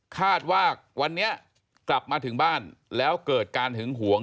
คาดว่าวันนี้กลับมาถึงบ้านแล้วเกิดการหึงหวง